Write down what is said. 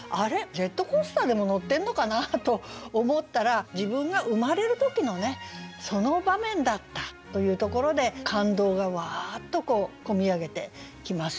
ジェットコースターでも乗ってんのかな？と思ったら自分が生まれる時のねその場面だったというところで感動がうわっと込み上げてきますよね。